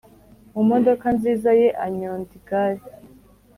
mumodoka nziza ye anyonda igare